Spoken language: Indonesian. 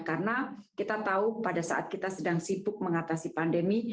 karena kita tahu pada saat kita sedang sibuk mengatasi pandemi